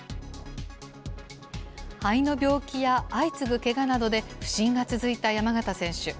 肺の病気や相次ぐけがなどで、不振が続いた山縣選手。